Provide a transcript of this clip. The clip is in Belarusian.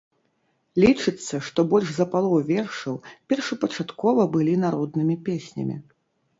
Лічыцца, што больш за палову вершаў першапачаткова былі народнымі песнямі.